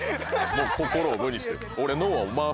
もう心を無にしてる。